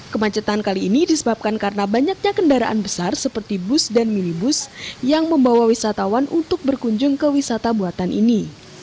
kemacetan kali ini disebabkan karena banyaknya kendaraan besar seperti bus dan minibus yang membawa wisatawan untuk berkunjung ke wisata buatan ini